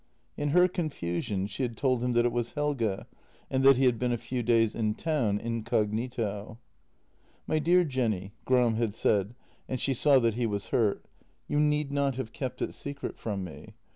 In her confusion she had told him that it was Helge, and that he had been a few days in town incognito. " My dear Jenny," Gram had said, and she saw that he was hurt, " you need not have kept it secret from me.